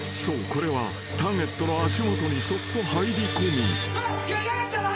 これはターゲットの足元にそっと入り込み］やりやがったな？